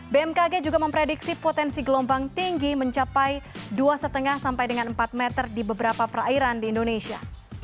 bmkg juga memprediksi potensi gelombang tinggi mencapai dua lima sampai dengan empat meter di beberapa perairan di indonesia